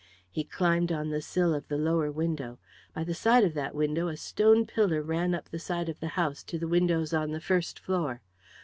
He climbed on the sill of the lower window; by the side of that window a stone pillar ran up the side of the house to the windows on the first floor.